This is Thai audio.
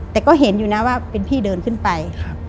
แต่ก็เห็นอยู่นะว่าเป็นพี่เดินขึ้นไป